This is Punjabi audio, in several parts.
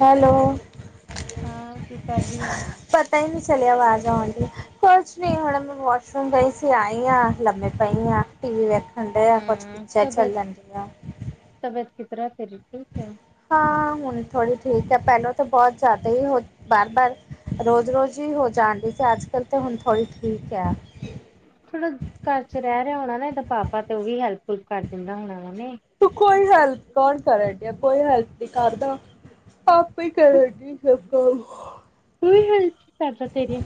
ਹੈਲੋ। ਹਾਂ ਕੀ ਕਰ ਰਹੀ ਆ ਪਤਾ ਨੀ ਚਲੇਆ ਆਵਾਜ਼ ਆਉਣ ਦੀ। [unintelligible] ਕੋਛ ਨੀ ਹੁਣ ਮੈਂ ਵੋਸ਼ਰੂਮ ਗਈ ਸੀ ਆਈ ਆਂ ਲੰਮੇ ਪਈ ਆਂ ਟੀ ਵੀ ਵੇਖਣ ਡਏ ਆ ਕੋਛ ਚਲ ਚੱਲ ਤਬੀਅਤ ਲੈਂਦੀ ਆ। ਤਬੀਅਤ ਕਿਸਰ ਤੇਰੀ ਠੀਕ ਹੈ। ਹਾਂ ਹੁਨ ਥੋੜ੍ਹੀ ਠੀਕ ੲ ਪਹਿਲਾਂ ਤਾਂ ਬੋਹੁਤ ਜ਼ਿਆਦਾ ਹੀ ਹੋ ਬਾਰ ਬਾਰ ਰੋਜ਼ ਰੋਜ਼ ਹੀ ਹੋ ਜਾਨਦੀ ਸੀ ਅੱਜ ਕਲ ਤੇ ਹੁਨ ਥੋੜ੍ਹੀ ਠੀਕ ਅ। ਥੋੜਾ ਘਰ ਚ ਰਹਿ ਰਿਹਾ ਹੋਨਾ ਨਾ ਇਹਦਾ ਪਾਪਾ ਤੇ ਉਹ ਵੀ ਹੈਲਪ ਫੁਲਪ ਕਰ ਦਿੰਦਾ ਹੋਨਾ ਉਹ ਨੇ ਤੂੰ ਕੋਈ ਹੈਲਪ ਕੌਨ ਕਰੇ ਕੋਈ ਹੈਲਪ ਨਹੀਂ ਕਰਦੋ ਆਪ ਕੋਈ ਕਰੇਹੀ ਸਭ ਕੰਮ। ਕੋਈ ਹੈਲਪ ਕਰਦਾ ਤੇਰੀ।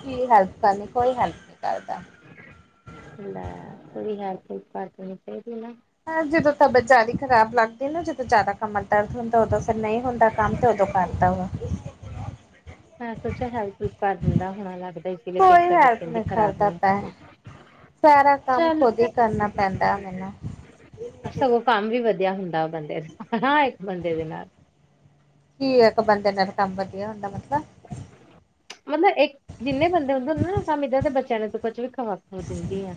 ਕੀ ਹੈਲਪ ਕਰਨੀ ਕੋਈ ਹੈਲਪ ਨੀ ਕਰਦਾ। ਲੈ ਥੋੜੀ ਹੈਲਪ ਹੁਲਪ ਕਰ ਦੇਨੀ ਚਾਹੀਦੀ ਨਾ। ਹਾਂ ਜਦੋਂ ਤਲ ਤਬਯਤ ਜ਼ਿਆਦਾ ਖ਼ਰਾਬ ਲਾੱਗਦੀ ਨਾ ਜਦੋਂ ਜ਼ਿਆਦਾ ਕਮਰ ਦਰਦ ਹੁੰਦਾ ਉਦੋਂ ਫਿਰ ਨਈ ਹੁੰਦਾ। ਕੰਮ ਤਾਂ ਉਦੋ ਕਰਤਾਂ ਵਾ। ਮੈਂ ਸੋਚਿਆ ਹੈਲਪ ਹੂਲਪ ਕਰ ਦਿੰਦਾ ਹੋਨਾ ਲੱਗਦਾ ਇਸ ਲਈ ਤੇਰੀ ਕੋਈ ਤਬਿਯਤ ਹੈਲਪ ਕੇੰਨੀ ਨਹੀਂ ਖਰਾਬ ਕਰਦਾ ਹੋਈ। ਪਿਆ ਸਾਰਾ ਕੰਮ ਖੁਦ ਈ ਕਰਨਾ ਪੈਂਦਾ ਮੈਨੂੰ। ਸਗੋਂ ਕੰਮ ਵੀ ਵਦਿਆ ਹੁੰਦਾ ਵ ਬੰਦੇ ਦਾ ਹਾਂ ਇੱਕ ਬੰਦੇ ਦੇ ਨਾਲ। ਕੀਏ ਇੱਕ ਬੰਦੇ ਨਾਲ ਕੰਮ ਵਦਿਆ ਹੁੰਦਾ ਮਤਲਬ [inaudible] ਮਤਲਬ ਇੱਕ ਜਿੰਨੇ ਬੰਦੇ ਹੁੰਦੇ ੳਨਾ ਕੰਮ ਇਦਾਂ ਦੇ ਬੱਚੇਆਂ ਨੂੰ ਤਾਂ ਕੁਛ ਵੀ ਖਵਾ ਖੁਵੁ ਦਿੰਦੀ ੲ।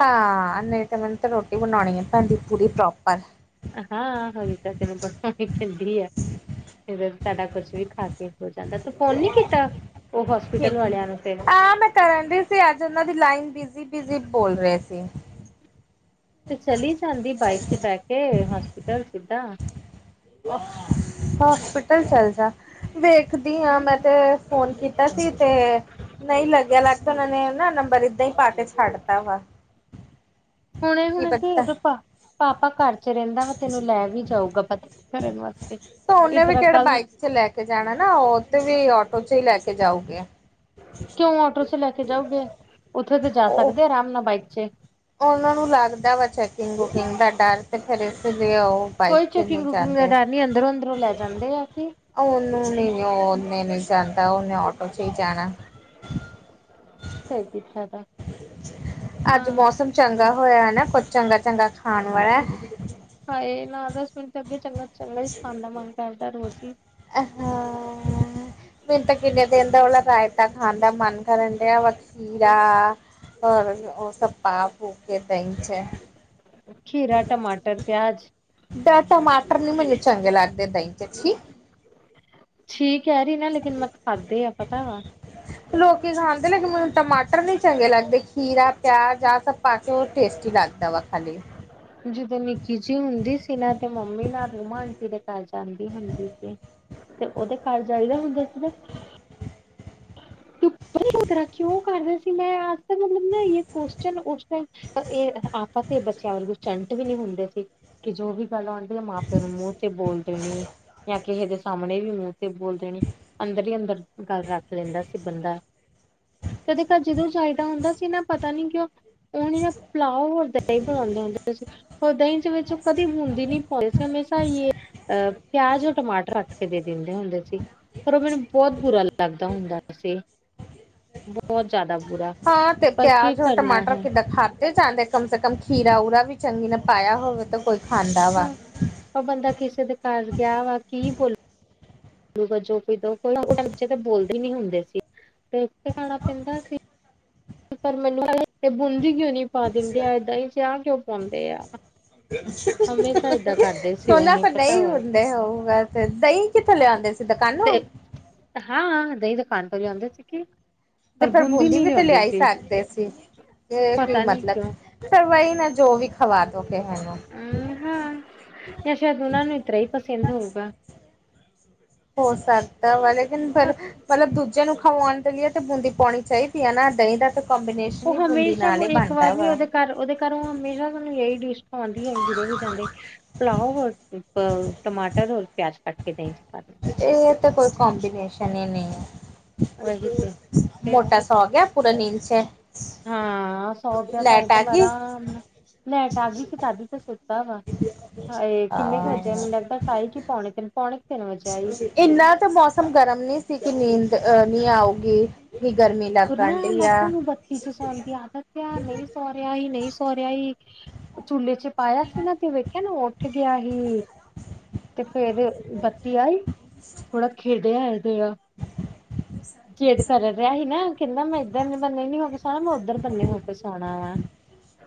ਹਾਂ, ਨਈ ਤੇ ਮੈਨੂੰ ਤੇ ਰੋਟੀ ਬਣਾਉਨੀ ਏ, ਤੁਹਾਡੀ ਪੂਰੀ ਪ੍ਰੋਪਰ। ਆਹਾਂ ਹੋਈ ਤਾਂ ਤੇਨੂੰ ਬਰਫੀ ਠੰਡੀ ੲ, ਫਿਰ ਸਾਡਾ ਕੁਛ ਵੀ ਖਾ ਕੇ। ਹੋ ਜਾਂਦਾ, ਤੂੰ ਫੋਨ ਨੀ ਕੀਤਾ, ਉਹ ਹੋਸਪਿਟਲ ਵਾਲਿਆਂ ਨੂੰ ਫੇਰ। ਤੇ ਅੱਜ ਉਹਨਾਂ ਦੀ ਲਾਈਨ ਬਿਜੀ- ਬਿਜ਼ੀ ਬੋਲ ਰਹੇ ਸੀ। ਤੇ ਚਲੀ ਜਾਂਦੀ ਬਾਈਕ 'ਚ ਬਹਿ ਕੇ, ਹੋਸਪਿਟਲ ਸਿੱਦਾ। ਹੋਸਪਿਟਲ ਚੱਲ ਜਾ, ਵੇਖਦੀ ਆਂ ਮੈਂ ਤੇ ਫੋਨ ਕੀਤਾ ਸੀ, ਤੇ ਨਈ ਲੱਗੇਆ ਲੱਗਦਾ, ਉਹਨਾਂ ਨੇ ਨਾ ਨੰਬਰ ਏਦਾਂ ਈ ਪਾ ਕੇ ਛੱਡ ਤਾ ਵਾ। ਹੁਨੇ- ਹੁਣੇ ਕੀ ਉਦ ਪਾ, ਪਾਪਾ ਘਰ ਚਰੇਦਾਂ ਵਾ ਤੈਨੂੰ ਲੈ ਵੀ ਜਾਊਗਾ ਪਤਾ ਕਰਨ ਵਾਸਤੇ, ਏ ਤਰਾਂ ਕੱਲ ਜੇ ਲੈ ਕੇ ਜਾਣਾ ਨਾ, ਉੱਥੇ ਵੀ ਓਟੋ 'ਚ ਈ ਲੈ ਕੇ ਜਾਊਗੇ। ਕਿਉਂ ਓਟੋ 'ਚ ਲੈ ਕੇ ਜਾਊਗੇ, ਉੱਥੇ ਤੇ ਜਾ ਉਹ ਸਕਦੇ ਆਰਾਮ ਨਾਲ ਬਾਈਕ 'ਚ। ਉਹਨਾਂ ਨੂੰ ਲੱਗਦਾ ਵਾ, ਚੈਕਿੰਗ ਵੂਕਿੰਗ ਦਾ ਡਰ ਤੇ ਫਿਰ ਇਸ ਲਈ ਓ ਬਾਈਕ ਕੋਈ 'ਚ ਚੈਕਿੰਗ ਨੂੰ ਵੁਕਿੰਗ ਦਾ ਜਾਂਦੇ ਡਰ ਨੀ ਅੰਦਰੋਂ ਅੰਦਰੋਂ ਲੈ ਜਾਂਦੇ ਆ ਕਿ ਉਹਨੂੰ ਨਹੀਂ ਉਹਨੇ ਨਹੀਂ ਜਾਂਦਾ, ਉਹਨੇ ਆਟੋ 'ਚ ਹੀ ਜਾਣਾ ਫਿਰ ਕੀ ਫਾਇਦਾ ਅੱਜ ਹਾਂ ਮੌਸਮ ਚੰਗਾ ਹੋਇਆ ਨਾ, ਕੁੱਝ ਚੰਗਾ -ਚੰਗਾ ਖਾਣ ਵਾਲਾ ਹਾਏ, ਨਾ ਦਸ ਮਿੰਟ ਅੱਗੇ ਚੰਗਾ ਚੰਗਾ ਹੀ ਖਾਂਣ ਦਾ ਮਨ ਕਰਦਾ ਰੋਜ਼ ਹੀ [unintelligible] ਮੈਨੂੰ ਤਾਂ ਕਿੰਨੇ ਦਿਨ ਦਾ ਉਹਲਾ ਰਾਇਤਾ ਖਾਣ ਦਾ ਮਨ ਕਰਨ ਦਿਆ ਵਖੀਰਾ ਔਰ ਉਹ ਸਭ ਪਾ ਪਉ ਕੇ ਦਈ 'ਚ ਖੀਰਾ, ਟਮਾਟਰ, ਪਿਆਜ ਏਦਾ ਟਮਾਟਰ ਨੀ ਮੈਨੂੰ ਚੰਗੇ ਲੱਗਦੇ ਦਹੀਂ 'ਚ ਛੀ ਠੀਕ ਕਹਿ ਰਹੀ, ਨਾ ਲੇਕਿਨ ਮੈਂ ਖਾਧੇ ਆ ਪਤਾ ਲੋਕੀ ਖਾਂਦੇ, ਮੈਨੂੰ ਟਮਾਟਰ ਨਹੀਂ ਚੰਗੇ ਲੱਗਦੇ ਖੀਰਾ, ਪਿਆਜ ਆਹ ਸ ਬਹੁਤ ਟੇਸਟੀ ਲਗਦਾ ਵਾ ਖਾਲੀ ਜਦੋਂ ਨਿੱਕੀ ਜੀ ਹੁੰਦੀ ਸੀ ਨਾ ਤੇ ਮੰਮੀ ਨਾਲ ਰੋਮਾ ਆਂਟੀ ਦੇ ਘਰ ਜਾਂਦੀ ਹੁੰਦੀ ਸੀ ਤੇ ਉਹਦੇ ਘਰ ਜਾਈਦਾ ਹੁੰਦਾ ਸੀ ਨਾ ਤ ਕਿਉਂ ਕਰ ਰਿਹਾ ਸੀ ਮੈਂ ਅਜ ਤ ਮਤਲਬ ਨਾ ਕੁਸ਼ਨ ਉਸ ਟਾਈਮ ਇਹ ਆਪਾਂ ਤੇ ਇਹ ਬੱਚਿਆਂ ਵੱਲ ਚੰਟ ਵੀ ਨੀ ਹੁੰਦੇ ਸੀ, ਕਿ ਜੋ ਵੀ ਗੱਲ ਆਉਂਦੀ ਹੈ ਮਾਂ -ਪਿਓ ਨੂੰ ਮੂੰਹ ਤੇ ਬੋਲ ਦੇਣੀ ਜਾਂ ਕਿਸੇ ਦੇ ਸਾਹਮਣੇ ਵੀ ਮੂੰਹ ਤੇ ਬੋਲ ਦੇਣੀ, ਅੰਦਰ ਹੀ ਅੰਦਰ ਗੱਲ ਰੱਖ ਲੈਂਦਾ ਸੀ ਬੰਦਾ ਕਦੇ ਘਰ ਜਦੋਂ ਜਾਈਦਾ ਹੁੰਦਾ ਸੀ ਨਾ ਪਤਾ ਨੀ ਕਿਉਂ ਉਹਨ ਨਾ ਪਲਾਓ ਹੋਰ ਦਾ ਹੀ ਬਣਾਉਂਦੇ ਹੁੰਦੇ ਸੀ ਉਹ ਦਹੀਂ 'ਚ ਵਿੱਚ ਕਦੀ ਹੁੰਦੀ ਨੀ ਪਾਉਈ ਸੀ ਹਮੇਸ਼ਾ ਹੀਏ ਅ ਪਿਆਜ ਟਮਾਟਰ ਰਟ ਕੇ ਦੇ ਦਿੰਦੇ ਹੁੰਦੇ ਸੀ ਪਰ ਉਹ ਮੈਨੂੰ ਬਹੁਤ ਬੁਰਾ ਲੱਗਦਾ ਹੁੰਦਾ ਸੀ ਬਹੁਤ ਜ਼ਿਆਦਾ ਬੁਰਾ ਹਾਂ ਤੇ ਪਰ ਕੀ ਪਿਆਜ ਔਰ ਕਰਨਾ ਟਮਾਟਰ ਹੈ ਕਿੱਦਾਂ ਖਾ ਤੇ ਜਾਂਦੇ, ਕਮ ਸੇ ਕਮ ਖੀਰਾ ਉਰਾ ਵੀ ਚੰਗੀ ਨਾ ਪਾਇਆ ਹੋਵੇ ਤਾਂ ਕੋਈ ਖਾਂਦਾ ਹਾਂ ਵਾ ਉਹ ਬੰਦਾ ਕਿਸੇ ਦੇ ਘਰ ਗਿਆ ਵਾ, ਕੀ ਬੋਲੇ ਜੋ ਕੋਈ ਦੋ ਉਹਚੇ ਤੇ ਬੋਲਦੇ ਨੀ ਹੁੰਦੇ ਸੀ, ਤੇ ਉਥੇ ਖਾਣਾ ਪੈਂਦਾ ਸੀ ਪਰ ਮੈਨੂੰ ਬੂੰਦੀ ਕਿਉਂ ਨੀ ਪਾ ਦਿੰਦੇ ਆ ਏਦਾਂ ਹੀ ਚਿਆ ਕਿਉਂ ਪਾਉਂਦੇ ਆ [inaudible] ਹਮੇਸ਼ਾ ਏਦਾਂ ਕਰਦੇ ਸੀ ਉਹ ਉਹਨਾ ਨੀ ਪਰ ਪਤਾ ਨਹੀਂ ਵਾ ਹੁੰਦੇ ਹੋਊਗਾ ਤੇ, ਦਹੀਂ ਕਿੱਥੋਂ ਲਿਆਉਂਦੇ ਸੀ ਤੇ ਦੁਕਾਨੋਂ ਹਾਂ, ਦਹੀਂ ਦੁਕਾਨ ਤੋਂ ਹੀ ਲਿਆਂਦੇ ਸੀਗੇ। ਤੇ ਫਿਰ ਬੂੰਦੀ ਵੀ ਤੇ ਲਿਆ ਹੀ ਸਕਦੇ ਸੀ, ਇਹ ਕੀ ਪਤਾ ਨੀ ਮਤਲਬ ਕਿਉਂ ਫਿਰ ਵਹੀ ਨਾ, ਜੋ ਵੀ ਖਵਾ ਦੋ ਕੇ ਇਹਨਾ ਨੂੰ ਹਮ ਹਾਂ, ਅਸ਼ਾਦ ਉਨਾਂ ਨੂੰ ਇਤਰਰਾ ਹੀ ਪਸੰਦ ਹੋਊਗਾ। ਹੋ ਸਕਦਾ ਤਾਂ ਵ, ਲੇਕਿਨ ਫਿਰ ਬਸ ਮਤਲਬ ਦੂਜਿਆਂ ਨੂੰ ਖਾਵਾਉਣ ਲੀ ਤੇ ਬੂੰਦੀ ਪਾਉਣੀ ਚਾਹੀਦੀ ਹੈ ਨਾ, ਦਹੀਂ ਦਾ ਤੇ ਕੰਬੀਨੇ ਉਹ ਹਮੇਸ਼ਾ ਇੱਕ ਵਾਰ ਨੀ ਉਹਦੇ ਘਰ ਉਹਦੇ ਘਰੋਂ ਹਮੇਸ਼ਾ ਤੁਹਾਨੂੰ ਇਹੀ ਡਿਸ਼ ਖਵਾਉਂਦੀ ਹੈ, ਜਦੋਂ ਵੀ ਜਾਂਦੇ ਪੁਲਾਓ ਹੋਰ ਟਮਾਟਰ ਰ ਪਿਆਜ ਕੱਟ ਕੇ ਦਹੀਂ ਪਾ ਦਿੰਦੇ ਇਹ ਤਾਂ ਕੋਈ ਕੰਬੀਨੇਸ਼ਨ ਹੀ ਨਹੀਂ ਹੈ। ਵਹੀ ਤੇ ਮੋਟਾ ਫਿਰ ਸੋ ਗਿਆ ਪੂਰਾ ਨੀਂਦ 'ਚ ਹਾਂ ਸੌਗਿਆ ਤਾਂ ਇਹ ਲੈਟ ਆ ਤੇ ਗਈ ਆਰਾਮ ਨਾਲ, ਲੈਟ ਆਗੀ ਸੀ ਤਦ ਤਾਂ ਸੁਤਾ ਵਾ। ਹਏ ਕਿੰਨੇ ਵਜੇ, ਮੈਨੂੰ ਅ ਲੱਗਦਾ ਢਾਈ ਕੀ ਪਾਉਣੇ ਤਿੰਨ ਪੌਣੇ ਤਿੰਨ ਵਜੇ ਆਈ ਇੰਨਾ ਤਾਂ ਮੌਸਮ ਗਰਮ ਨਹੀ ਸੀ, ਕਿ ਨੀਂਦ ਨੀ ਆਊਗੀ ਕੀ ਗਰਮੀ ਫਿਰ ਨਾ ਲਗਨ ਡੀ ਆ ਧਿਆਨ ਨਹੀਂ ਸੋਹਰਿਆ ਹੀ ਨਹੀਂ ਸੋਹਰਿਆ ਹੀ, ਚੁੱਲੇ ਚ' ਪਾਇਆ ਸੀ ਨਾ ਤੇ ਕੀ ਉੱਠ ਗਿਆ ਸੀ, ਤੇ ਫੇਰ ਬੱਤੀ ਆਈ, ਥੋੜਾ ਖੇਡਿਆ ਤੇ ਖੇਦ ਕਰ ਰਿਹਾ ਸੀ ਨਾ ਕਹਿੰਦਾ ਮੈਂ ਇੱਧਰ ਬੰਨੇ ਨੀ ਹੋ ਕੇ ਸਣਾ, ਮੈਂ ਉੱਧਰ ਬੰਨੇ ਹੋ ਕੇ ਸਣਾ ਵਾ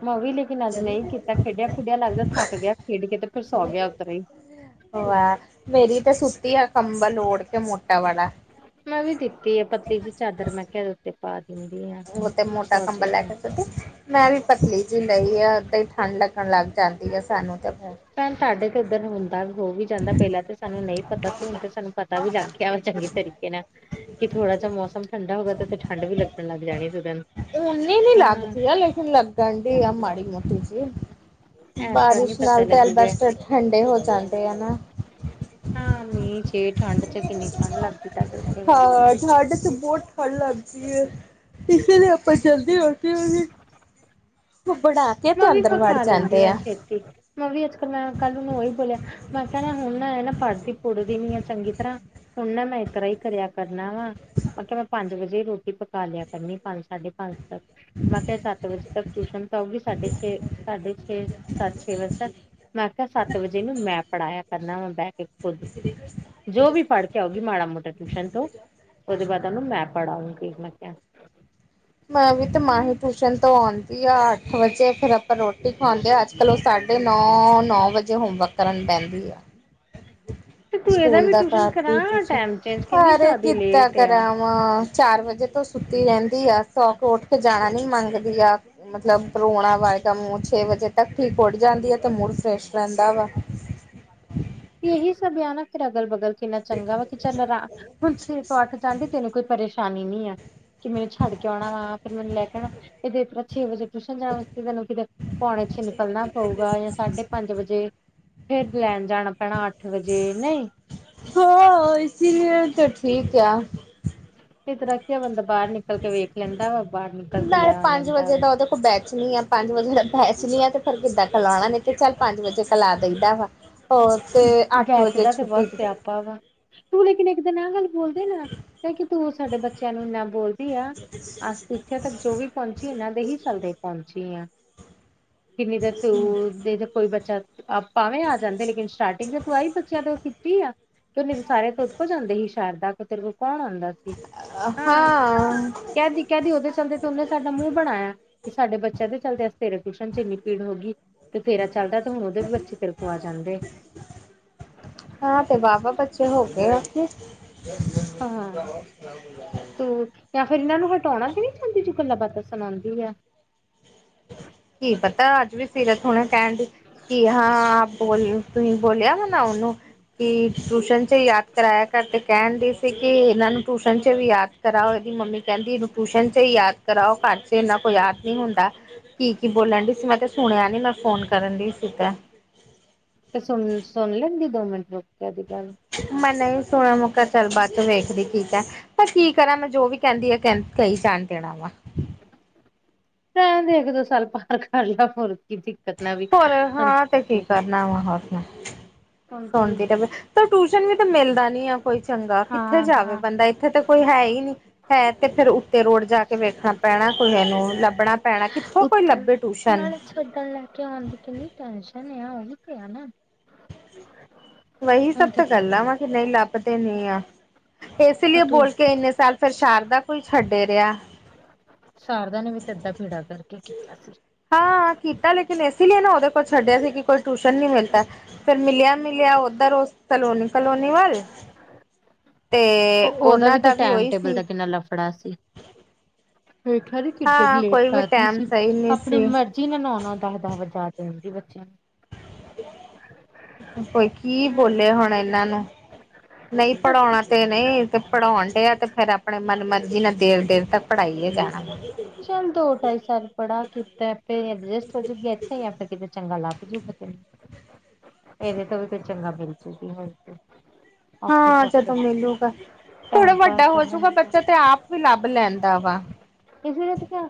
ਮੈਂ ਉਹ ਵੀ ਲਿਖ ਨਾ ਅੱਜ ਨਹੀਂ ਕੀਤਾ ਖੇਡਿਆ ਖੁਡਿਆ ਲੱਗਦਾ ਥੱਕ ਗਿਆ, ਖੇਡ ਕੇ ਤੇ ਫਿਰ ਸੌ ਗਿਆ ਉੱਤਰ ਹੀ ਆ ਮੇਰੀ ਤੇ ਸੁੱਤੀ ਆ ਕੰੰਬਲ ਲੋੜ ਕੇ ਮੋਟਾ ਵਾਲਾ ਮੈਂ ਵੀ ਦਿੱਤੀ ਆ ਪਤਲੀ ਦੀ ਚਾਦਰ ਮੈਂ ਕਿਹਾ ਏਦੇ ਉੱਤੇ ਪਾ ਦਿੰਦੀ ਹਾਂ, ਉਹ ਤੇ ਮੋਟਾ ਸੋਜੇ ਕੰਬਲ ਲੈ ਕੇ ਮੈਂ ਵੀ ਪਤਲੀ ਜਿਹੀ ਲਈ ਆ, ੳਦਾ ਹੀ ਠੰਢ ਲੱਗਣ ਲੱਗ ਜਾਂਦੀ ਆ ਸਾਨੂੰ ਤਾਂ ਫਿਰ ਭੈਣ ਤੁਹਾਡੇ ਕਿੱਧਰ ਹੁੰਦੀ ਪਰ ਹੋ ਵੀ ਜਾਂਦਾ ਪਹਿਲਾਂ ਤਾਂ ਸਾਨੂੰ ਨਹੀਂ ਪਤਾ ਸੀ, ਹੁਣ ਤੇ ਸਾਨੂੰ ਪਤਾ ਵੀ ਲੱਗ ਗਿਆ ਵਾ ਚੰਗੇ ਤਰੀਕੇ ਨਾਲ ਕਿ ਥੋੜਾ ਜਿਹਾ ਮੌਸਮ ਠੰਡਾ ਹੋਗਾ, ਤੇ ਠੰਡ ਵੀ ਲੱਗਣ ਲਗ ਜਾਣੀ ਸੀ ਉਹਦੇ ਨੂੰ ਓਨੀ ਨੀ ਲੱਗਦੀ ਆ, ਲੇਕਿਨ ਲੱਗਣ ਡ ਆ ਮਾੜੀ ਮੋਟੀ ਜੀ ਐਸ ਵਾਰ ਨੀ ਬਾਰਿਸ਼ ਪਤਾ ਨਾਲ ਤੇ ਲੱਗੂਗਾ। ਅਲਬਸਟਰ ਠੰਡੇ ਹੋ ਜਾਂਦੇ ਨਾ ਹਾਂ ਨੀ ਛੇ ਠੰਢ ਚ ਕਿੰਨੀ ਠੰਢ ਲੱਗਦੀ ਤੁਹਾਡੇ ਉੱਥੇ ਵਾਪਰ ਸਾਡੇ ਤਾਂ ਬਹੁਤ ਠੰਡ ਲੱਗਦੀ ਹੈ ਇਸੇ ਲਈ ਆਪਾਂ ਚਲਦੇ ਹਦੇ ਉਹਦੀ ਬਣਾ ਮੈਂ ਵੀ ਅੰਦਰ ਵੜ ਪਕਾ ਲੈਂਦੀ ਜਾਂਦੇ ਆਾਂ ਆ ਛੇਤੀ, ਮੈਂ ਵੀ ਅੱਜ ਕੱਲ ਮੈਂ ਕੱਲ ਉਹਨੂੰ ਉਹੀ ਬੋਲਿਆ, ਮੈਂ ਕਹਿਣਾ ਹੁਣ ਐ ਨਾ ਪੜ੍ਹਦੀ ਪੁੜਦੀ ਨੀ ਆ ਚੰਗੀ ਤਰ੍ਹਾਂ ਹੁਣ ਨਾ ਮੈਂ ਇਸ ਤਰ੍ਹਾਂ ਹੀ ਕਰਿਆ ਕਰਨਾ ਵਾ, ਮੈਂ ਕਿਹਾ ਮੈਂ ਪੰਜ ਵਜੇ ਰੋਟੀ ਪਕਾ ਲਿਆ ਕਰਨੀ ਪੰਜ ਸਾਡੇ ਹਾਂ ਸਰ, ਮੈਂ ਕਿਹਾ ਸਤ ਵਜੇ ਤੱਕ ਟਿਊਸ਼ਨ ਤਾਂ ਉਹਗੀ ਸਾਢੇ ਛੇ ਸਾਢੇ ਛੇ ਸੱਤ ਛੇ ਵਜੇ ਤੱਕ, ਮੈਂ ਕਿਹਾ ਸੱਤ ਵਜੇ ਨੂੰ ਮੈਂ ਪੜ੍ਹਾਇਆ ਕਰਨਾ ਇਹਨੂੰ ਬਹਿ ਕੇ ਖੁਦ, ਜੋ ਵੀ ਪੜ ਆਉਗੀ ਮਾੜਾ ਮੋਟਾ ਟਿਊਸ਼ਨ ਤੋਂ, ਉਹਦੇ ਬਾਅਦ ਉਹਨੂੰ ਮੈਂ ਪੜ ਆਉਗੀ ਮੈਂ ਕਿਹਾ ਮੈਂ ਵੀ ਤਾਂ ਮਾਹੀ ਹੂੰ। ਟਿਊਸ਼ਨ ਤੋਂ ਆਉਂਦੀ ਆ ਅੱਠ ਵਜੇ, ਫਿਰ ਆਪਾਂ ਰੋਟੀ ਖਵਾਉਂਦੇ ਹਾਂ ਅੱਜ ਕੱਲ੍ਹ ਉਹ ਸਾਢੇ ਨੌ ਨੌ ਵਜੇ ਹੋਮਵਰਕ ਕਰਨ ਬੈਂਦੀ ਆ। ਤੇ ਤੂੰ ਇਹਦਾ ਸਕੂਲ ਵੀ ਦਾ ਟਿਊਸ਼ਨ ਕਰਾ ਕਰਦੀ ਟਿਊਸ਼ਨ, ਟਾਈਮ ਚੇਂਜ ਕਿੰਨੀ ਪਰ ਜ਼ਿਆਦਾ ਕਿੱਦਾਂ ਲੇਟ ਕਰਾ ਆ। ਅ ਚਾਰ ਵਜੇ ਤੋਂ ਸੁੱਤੀ ਰਹਿੰਦੀ ਆ, ਸੌਕੇ ਉੱਠ ਕੇ ਜਾਣਾ ਨੀ ਮੰਗਦੀ ਆ। ਮਤਲਬ ਪਰੋਣਾ ਵਾ ਆਏਗਾ ਕੰਮ ਛੇ ਵਜੇ ਤੱਕ ਠੀਕ ਉੱਡ ਜਾਂਦੀ ਆ, ਤੇ ਮੁੂੜ ਫਰੈਸ਼ ਰਹਿੰਦਾ ਵਾ। ਇਹੀ ਸਭ ਯਾ ਨਾ ਫੇਰ ਅਗਲ- ਬਗਲ। ਕਿੰਨਾ ਚੰਗਾ ਵਾ ਕਿ ਚੱਲ ਹੁਣ [unintelligible] ਸ ਤੋਂ ਉੱਠ ਜਾਂਦੀ ਤੈਨੂੰ ਕੋਈ ਪਰੇਸ਼ਾਨੀ ਨਹੀਂ ਆ। ਕਿ ਮੈਨੂੰ ਛੱਡ ਕੇ ਆਉਣਾ ਵਾ, ਫੇਰ ਮੈਨੂੰ ਲੈ ਕੇ ਆਣਾ ਇਹਦੇ ਛੇ ਵਜੇ ਟੂਸ਼ਨ ਜਾਣ ਵਾਸਤੇ ਤੈਨੂੰ ਕਿਤੇ। ਪੌਣੇ ਛੇ ਨਿਕਲਣਾ ਪਊਗਾ, ਜਾਂ ਸਾਢੇ ਪੰਜ ਵਜੇ ਫੇਰ ਲੈਣ ਜਾਣਾ। ਪੈਣਾ ਅੱਠ ਵਜੇ, ਨਹੀਂ ਸੋ ਇਸੀ ਲਈਏ ਤਾਂ ਠੀਕ ਆ। ਇਸ ਤਰਾਂ ਬੰਦਾ ਬਾਹਰ ਨਿਕਲ ਕੇ ਵੇਖ ਲੈਂਦਾ ਵਾ, ਬਾਹਰ ਨਿਕਲ ਕੇ ਲੈ ਆ ਲੈਂਦਾ ਵਾ। ਬੈਚਣੀ ਆ ਪੰਜ ਵਜੇ ਬੈਚਣੀ ਆ ਤੇ ਫੇਰ ਕਿੱਦਾਂ ਖਿਲਾਉਣਾ ਨੇ ਚੱਲ ਪੰਜ ਵਜੇ ਸਲਾ ਦਈਦਾ ਵਾ। ਉਥੇ ਅੱਠ ਵਜੇ ਛੁੱਟੀ। ਪਾ ਵਾ। ਤੂੰ ਲੇਕਿਨ ਇੱਕ ਦਿਨ ਆਹ ਗੱਲ ਬੋਲਦੇ ਨਾ, ਐ ਕੀ ਤੂੰ ਸਾਡੇ ਬੱਚਿਆਂ ਨੂੰ ਇੰਨਾ ਬੋਲਦੀ ਆ। ਆ ਇੱਥੇ ਤੱਕ ਜੋ ਵੀ ਪਹੁੰਚੀ, ਇਹਨਾਂ ਦੇ ਹੀ ਚੱਲਦੇ। ਪਹੁੰਚੀ ਆ, ਕਿੰਨੀ ਦੇਰ ਤੂੰ ਦੇ ਤੇ ਕੋਈ ਬੱਚਾ। ਆਪਾਵੇਂ ਆ ਜਾਂਦੇ ਲੇਕਿਨ, ਸਟਾਰਟਿੰਗ ਤੇ ਤੂੰ ਆਈ ਬੱਚਿਆਂ ਤੋਂ ਕੀਤੀ ਆ, ਤੇ ਉਹਨੇ ਸਾਰੇ ਤੁਦ ਕੋ ਜਾਂਂਦੇ ਸੀ ਸ਼ਾਰਦਾ ਤੇਰੇ ਕੋ ਕੌਣ ਆਉਂਦਾ। ਹਾਂ ਹਾਂ ਕਹਿਦੀ- ਕਹਿਦੀ ਉਹਦੇ ਚੱਲਦੇ ਤੇ ਉਹਨੇ ਸਾਡਾ ਮੂੰਹ ਬਣਾਇਆ। ਕਿ ਸਾਡੇ ਬੱਚਿਆਂ ਦੇ ਚਲਦੇ, ਤੇਰੇ ਟਿਊਸ਼ਨ ਚ ਇੰਨੀ ਭੀੜ ਹੋ ਗਈ। ਤੇ ਤੇਰਾ ਚੱਲਦਾ ਤੇ ਹੁਣ ਉਹਦੇ ਵੀ ਬੱਚੇ ਤੇਰੇ ਕੋ ਆ ਜਾਂਣਦੇ। ਹਾਂ ਤੇ ਵਾਹ- ਵਾਹ ਬੱਚੇ ਹੋਂਗੇ ਉਥੇ। ਤ ਜਾਂ ਫੇਰ ਇਹਨਾਂ ਨੂੰ ਹਟਾਉਣਾ ਵੀ ਨੀ ਚਾਹੁੰਦੀ, ਜੇ ਗੱਲਾਂ- ਬਾਤਾਂ ਸੁਣਾਉਂਦੀ ਆ। ਕੀ ਪਤਾ ਅੱਜ ਵੀ ਸਿਰਤ ਹੁਣ ਕਹਿਣ ਡੀ। ਕਿ ਹਾਂ ਆਪ ਬੋਲ ਤੁਸੀਂ ਬੋਲਿਆ ਹੋ ਨਾ ਓਣ ਨੂੰ। ਕਿ ਟਿੂਊਸ਼ਨ ਚ ਯਾਦ ਕਰਇਆ ਕਰ, ਤੇ ਕਹਿਣ ਡ ਸੀ ਕਿ ਇਹਨਾਂ ਨੂੰ ਟਿਊਸ਼ਨ ਚ ਵੀ ਯਾਦ। ਕਰਾਓ ਇਹਦੀ ਮੰਮੀ ਕਹਿੰਦੀ ਇਹਨੂੰ ਟਿਊਸ਼ਨ ਚ ਹੀ ਯਾਦ ਕਰਾਓ, ਘਰ ਚ ਇੰਨਾ ਕੋਈ ਯਾਦ ਨਹੀਂ ਹੁੰਦਾ। ਕੀ- ਕੀ ਬੋਲਣ ਡੀ ਸੀ, ਮੈਂ ਤੇ ਸੁਣਿਆ ਨੀ ਮੈਂ ਫੋਨ ਕਰਨ ਡੀ ਸੀ ਇਕ। ਤੇ ਸੁਣ, ਸੁਣ ਲੈਂਦੀ ਦੋ ਮਿੰਟ ਰੁਕੇ ਓਦੀ ਗੱਲ। ਮੈਂ ਨਹੀਂ ਸੁਣਿਆ ਮੁ ਕਿਹਾ ਚੱਲ ਬਾਤੂੰ ਵੇਖਦੀ ਠੀਕ ਐ। ਪਰ ਕੀ ਕਰਾਂ ਮੈਂ, ਜੋ ਵੀ ਕਹਿੰਦੀ ਆ ਕ ਕਈ ਜਾਣ ਦੇਣਾ ਵਾ। ਰਹਿਣਦੇ ਇੱਕ- ਦੋ ਸਾਲ ਪਾਰ ਕਰ ਲਿਆ, ਫੁਰ ਕਿ। ਹੋਰ ਹਾਂ ਤੇ ਕੀ ਕਰਨਾ ਵਾ, ਹੋਰ। ਮੈਂ ਹੁਣ ਤੇਰੀ ਸੁਣਦੀ ਰਵੇ। ਤਾਂ ਟਿਊਸ਼ਨ ਵੀ ਤਾਂ ਮਿਲਦਾ ਨੀ ਆ ਕੋਈ ਚੰਗਾ, ਕਿੱਥੇ ਹਾਂ ਜਾਵੇ ਹਾਂ ਬੰਦਾ ਇੱਥੇ ਤਾਂ ਕੋਈ ਹੈ ਹੀ ਨਹੀਂ। ਹੈ ਤੇ ਫੇਰ ਉੱਤੇ ਰੋਡ ਜਾ ਕੇ ਵੇਖਣਾ ਪੈਣਾ, ਕੋਈ ਨੂੰ ਲੱਭਣਾ ਪੈਣਾ ਕਿੱਥੋਂ ਕੋਈ ਲੱਭੇ ਟਿਊਸ਼ਨ। ੱਦਾਂ ਲੈ ਕੇ ਆਉਣ ਦੀ ਕਿੰਨੀ ਟੈਨਸ਼ਨ ਆ ਉਹੀ ਤੇ ਆ ਨਾ। ਵਹੀ ਸਭ ਹੁਣ ਤੇ ਤਾਂ ਗੱਲਾਂ ਵਾਂ ਕਿ, ਨਹੀਂ ਲੱਭਦੇ ਨਹੀਂ ਆ। ਇਸ ਲਈ ਤੂੰ ਬੋਲ ਕੇ ਇੰਨੇ ਸਾਲ ਫੇਰ ਸ਼ਾਰਦਾ ਕੋਈ ਛੱਡੇ ਰਿਹਾ। ਸ਼ਾਰਦਾ ਨੇ ਵੀ ਤੇ ਅੱਧਾ ਬੇੜਾ ਗਰਕ ਹੀ ਕੀਤਾ ਸੀ। ਹਾਂ ਕੀਤਾ ਲੇਕਿਨ ਇਸ ਲਈ ਨਾ ਉਹਦੇ ਕੋਲ ਛੱਡਿਆ ਸੀ ਕਿ, ਕੋਈ ਟਿਊਸ਼ਨ ਨਹੀਂ ਮਿਲਦਾ। ਫੇਰ ਮਿਲਿਆ- ਮਿਲਿਆ ਉੱਧਰ ਉਸ ਕਲੋਨੀ। ਕਲੋਨੀ ਵੱਲ, ਤੇ ਉਹਨਾਂ ਦਾ ਵੀ ਉਹੀ ਸੀ। ਨਾਲ ਲਫੜਾ ਸੀ। ਵਖੇਆ ਨੀ ਕਿੱਡੀ ਗ ਹਾਂ ਲੇਟ ਕੋਈ ਵੀ ਕਰਦੀ ਟਾਈਮ ਸੀ, ਸਹੀ ਨਹੀਂ ਆਪਣੀ ਸੀ। ਮਰਜ਼ੀ, ਵੀ ਨੌ- ਨੌ ਦਸ- ਦਸ ਵਜਾ ਦੇ ਹਣਦੀ ਬੱਚਿਆਂ ਨੂੰ। ਕੋਈ ਕੀ ਨੂੰ। ਬੋਲੇ ਹੁਣ ਇਹਨਾਂ ਨੂੰ, ਨਹੀਂ ਪੜਾਉਣਾ ਸੀ। ਤੇ ਨਹੀਂ ਤੇ ਪੜ੍ਹਾਉਣ ਡਿਆ ਤੇ ਫੇਰ ਆਪਣੇ ਮਨ ਮਰਜੀ ਨਾਲ ਦੇਰ ਦੇਰ ਤੱਕ ਪੜ੍ਹਾਈਏ ਜਾਣਾ ਵ ਚੱਲ ਦੋ ਢਾਈ ਸਾਲ ਪੜਾ ਕਿਤੇ ਅਡਜਸਟ ਹੋਜੂਗੀ ਇੱਥੇ ਜਾਂ ਫਿਰ ਕਿਤੇ ਚੰਗਾ ਲੱਭ ਜਾੂਗਾ ਇਹਦੇ ਤੋਂ ਵੀ ਕੋਈ ਚੰਗਾ ਮਿਲ ਜੂਗੀ ਹੋਰ ਕੀ ਹੈ ਹਾਂ ਜਦੋਂ ਮਿਲੂਗਾ, ਥੋੜਾ ਟਾਈਮ ਪਾਰ ਵੱਡਾ ਕਰਨਾ ਹੋਜੂਗਾ ਹੁੰਦਾ। ਬੱਚਾ ਤੇ ਆਪ ਵੀ ਲੱਭ ਲੈਂਦਾ ਵਾ ਕਿਸੀ ਨੇ ਤੇ ਕੇਹਾ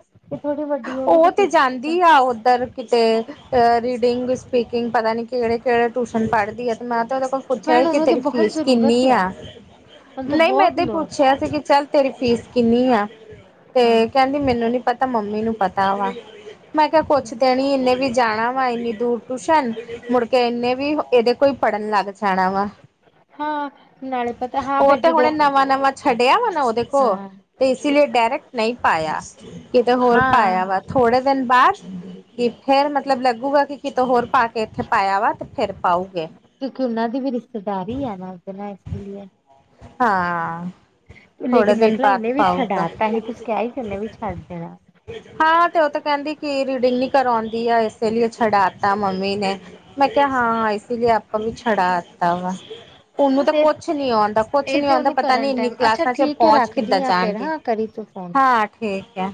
ਉਹ ਤੇ ਜਾਂਦੀ ਆ ਉੱਧਰ ਕਿਤੇ ਅ ਰੀਡਿੰਗ ਸਪੀਕਿੰਗ ਪਤਾ ਨੀ ਕਿਹੜੇ ਕਿਹੜੇ ਟਿਊਸ਼ਨ ਪੜ੍ਹਦੀ ਹੈ, ਤੇ ਮੈਂ ਤਾਂ ਉਹਦੇ ਕੋਲ ਪੁੱਛਿਆ ਭੈਣ ਕਿ ਉਹਨੂੰ ਤੇ ਤੇਰੀ ਬਹੁਤ ਫੀਸ ਜ਼ਰੂਰਤ ਕਿੰਨੀ ਆ [inaudible] ਨਹੀਂ ਮੈਂ ਬਹੁਤ ਤੇ ਲੋੜ ਪੁੱਛਿਆ ਸੀ, ਕਿ ਚੱਲ ਤੇਰੀ ਫੀਸ ਕਿੰਨੀ ਆ ਤੇ ਹੂੰ ਕਹਿੰ ਮੈਨੂੰ ਨੀ ਪਤਾ ਮੰਮੀ ਨੂੰ ਪਤਾ ਵਾ ਮੈਂ ਕਿਹਾ ਕੁਛ ਕਿੰਨੀ, ਇਨੇ ਵੀ ਜਾਣਾ ਵਾ ਇੰਨੀ ਦੂਰ ਟੂਸ਼ਨ ਮੁੜਕੇ ਇੰਨੇ ਵੀ ਇਹਦੇ ਕੋਈ ਪੜ੍ਹਨ ਲੱਗ ਜਾਣਾ ਵਾ ਹਾਂ ਨਾਲ ਉਹ ਤੇ ਹੁਣ ਨਵਾਂ ਨਵਾਂ ਛੱਡਿਆ ਵਾ ਨਾ ਉਹਦੇ ਕੋਲ ਹਾਂ ਤੇ ਇਸ ਲਈ ਡਾਇਰੈਕਟ ਨਹੀਂ ਪਾਇਆ, ਕਿਤੇ ਹੋਰ ਹਾਂ ਪਾਇਆ ਵਾ ਥੋੜੇ ਦਿਨ ਬਾਅਦ ਕਿ ਫੇਰ ਮਤਲਬ ਲੱਗੂਗਾ ਕਿ ਕਿਤੋਂ ਹੋਰ ਪਾ ਕੇ ਇੱਥੇ ਪਾਇਆ ਵਾ ਤੇ ਫੇਰ ਪਾਊਗੇ ਕਿਉਂਕਿ ਉਹਨਾ ਦੀ ਵੀ ਰਿਸ਼ਤੇਦਾਰੀ ਹੀ ਹੈ ਨਾ ਉਸਦੇ ਨਾਲ ਇਸ ਲਈ ਹਾਂ ਥੋੜਾ ਲੇਕਿਨ ਦਿਨ ਵੇਖ ਲਾ ਬਾਅਦ ਉਹਨੇ ਵੀ ਪਾਊਗਾ ਛਡਾ ਤਾ ਹੀ ਤੁਸੀਂ ਕਿਹਾ ਹੀ ਸੀ ਉਹਨੇ ਵੀ ਛੱਡ ਦੇਣਾ ਹਾਂ ਤੇ ਉਹ ਤੇ ਕਹਿੰਦੀ ਕਿ ਰੀਡਿੰਗ ਨੀ ਕਰਉਂਦੀ ਆ ਇਸੇ ਲਈ ਛਡਾਤਾ ਮੰਮੀ ਨੇ ਮੈਂ ਕਿਹਾ ਹਾਂ ਇਸ ਲਈ ਆਪਾਂ ਵੀ ਛੜਾ ਦਿੱਤਾ ਵਾ, ਉਹਨੂੰ ਤਾਂ ਤੇ ਕੁਛ ਨੀ ਆਉਂਦਾ ਕੁਛ ਇਹ ਨੀ ਤੇ ਆਉਂਦਾ ਉਹਨੂੰ ਪਤਾ ਨੀ ਕਰਨ ਇੰਨੀ ਟਾਈਮ ਅੱਛਾ ਕਲਾਸਾਂ ਚ ਠੀਕ ਹੈ ਪਹੁੰਚ ਕਿੱਦਾਂ ਰੱਖਦੀ ਆ ਜਾਣ ਫੇਰ ਡ ਹਾਂ ਕਰੀ ਤੂੰ ਫੋਨ ਹਾਂ ਠੀਕ ਆ